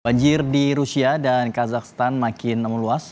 banjir di rusia dan kazakhstan makin meluas